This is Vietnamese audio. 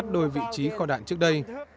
đổi vị trí kho đạn trước đây